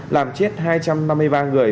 làm chết hai trăm năm mươi ba người